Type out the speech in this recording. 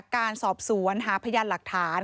การสอบสวนหาพยานหลักฐาน